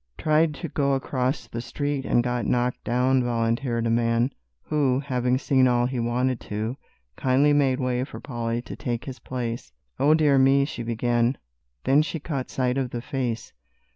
"Tried to go across the street and got knocked down," volunteered a man, who, having seen all he wanted to, kindly made way for Polly to take his place. "O dear me!" she began, then she caught sight of the face.